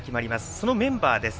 そのメンバーです。